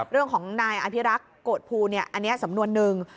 เรื่องของนายอภิรักษ์โกรธภูอันนี้สำนวนหนึ่ง